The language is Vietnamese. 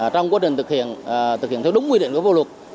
trong quá trình thực hiện theo đúng quy định của vô luật